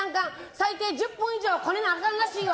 最低１０分以上はこねなあかんらしいわ！